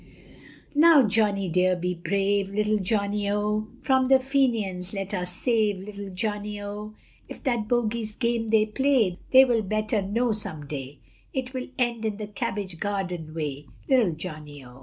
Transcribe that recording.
Now Johnny dear, be brave, Little Johnny, O, From the Fenians, pray us save, Little Johnny, O, If at bogey's game they play, They will better know some day, It will end in the cabbage garden way, Little Johnny, O.